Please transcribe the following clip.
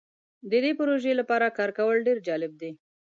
د دې پروژې لپاره کار کول ډیر جالب دی.